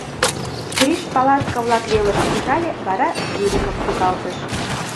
Гриш палатка-влак велыш ончале, вара Юрикым тӱкалтыш: